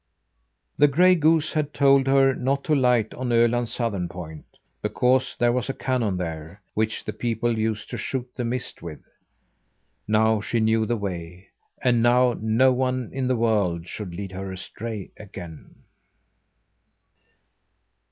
The gray goose had told her not to light on Öland's southern point, because there was a cannon there, which the people used to shoot the mist with. Now she knew the way, and now no one in the world should lead her astray again.